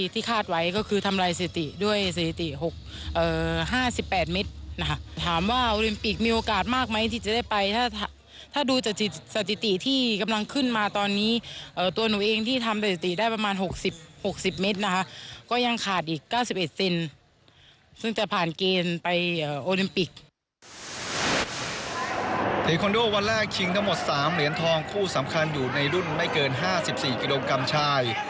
คอนโดวันแรกชิงทั้งหมด๓เหรียญทองคู่สำคัญอยู่ในรุ่นไม่เกิน๕๔กิโลกรัมชาย